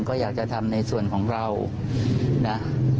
ก็อยากจะทำในส่วนของเรานะ